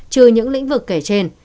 trừ những lĩnh vực kể trên